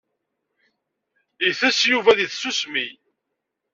Itess Yuba deg tsusmi.